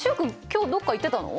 今日どっか行ってたの？